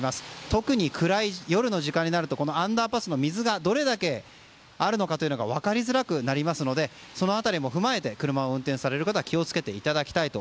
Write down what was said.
特に暗い夜の時間になるとアンダーパスの水が、どのぐらいあるのかというのが分かりづらくなりますのでそのあたりも踏まえて車を運転される方は気を付けてください。